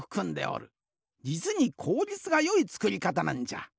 じつにこうりつがよいつくりかたなんじゃ。